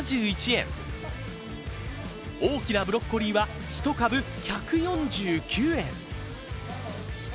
大きなブロッコリーは１株１４９円。